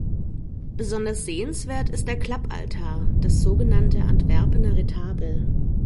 Besonders sehenswert ist der Klapp-Altar, das so genannte Antwerpener Retabel.